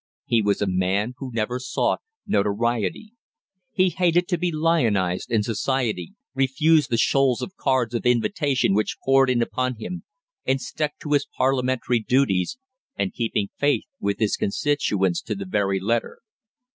He was a man who never sought notoriety. He hated to be lionised in society, refused the shoals of cards of invitation which poured in upon him, and stuck to his Parliamentary duties, and keeping faith with his constituents to the very letter.